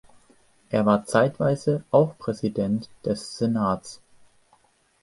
Er war zeitweise auch Präsident des Senats.